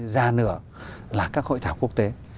già nửa là các hội thảo quốc tế